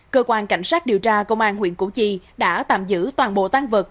cơ quan cảnh sát điều tra công an huyện củ chi đã tạm giữ toàn bộ tan vật